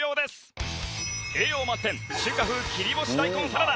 栄養満点中華風切り干し大根サラダ。